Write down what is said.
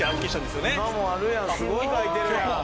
すごい書いてるやん。